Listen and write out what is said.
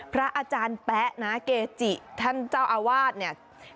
พระอาจารย์แป๊ะนะเกจิท่านเจ้าอาวาสเนี่ย